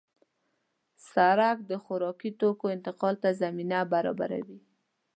سړک د خوراکي توکو انتقال ته زمینه برابروي.